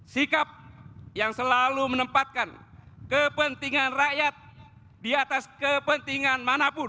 sikap yang selalu menempatkan kepentingan rakyat di atas kepentingan manapun